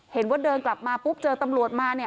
เห็นว่าเดินกลับมาปุ๊บเจอตำรวจมาเนี่ย